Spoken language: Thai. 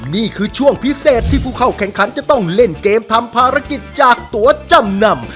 นี่คือช่วงพิเศษที่ผู้เข้าแข่งขันจะต้องเล่นเกมทำภารกิจจากตัวจำนำ